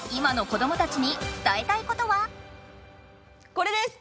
これです！